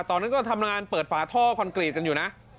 ตอนนั้นก็ทำงานเปิดฝาท่อคอนกรีตกันอยู่นะ